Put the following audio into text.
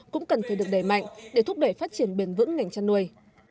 cũng cần phải được đẩy mạnh để thúc đẩy phát triển bền vững ngành chăn nuôi